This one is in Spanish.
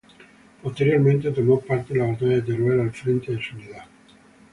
Posteriormente tomó parte en la batalla de Teruel al frente de su unidad.